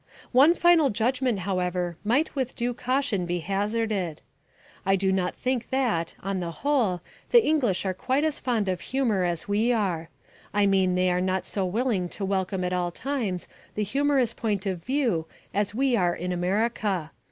One final judgment, however, might with due caution be hazarded. I do not think that, on the whole, the English are quite as fond of humour as we are. I mean they are not so willing to welcome at all times the humorous point of view as we are in America.